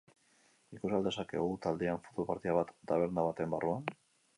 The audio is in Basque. Ikus al dezakegu taldean futbol partida bat taberna baten barruan?